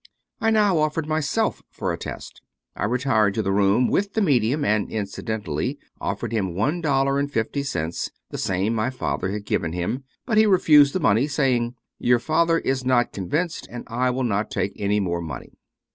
I now offered myself for a test. I retired to the room with the medium, and incidentally offered him one dollar and fifty cents, the same my father had given him ; but he refused the money, saying: " Your father is not convinced, and I will not take any more money."